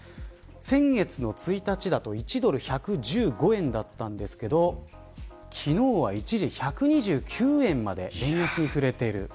先月の１日だと１ドル１１５円だったんですけど昨日は、一時１２９円まで円安に振れている。